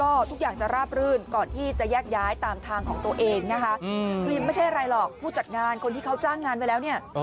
ก็ทุกอย่างจะราบรื่นก่อนที่จะแยกย้ายตามทางของตัวเองนะคะคือไม่ใช่อะไรหรอกผู้จัดงานคนที่เขาจ้างงานไว้แล้วเนี่ย